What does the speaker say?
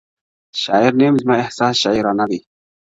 • شاعر نه یم زما احساس شاعرانه دی,